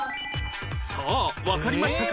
さあわかりましたか？